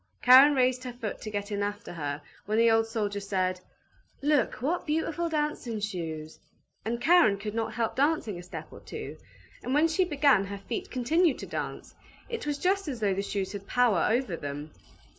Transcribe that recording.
Karen raised her foot to get in after her, when the old soldier said, "Look, what beautiful dancing shoes!" And Karen could not help dancing a step or two, and when she began her feet continued to dance; it was just as though the shoes had power over them.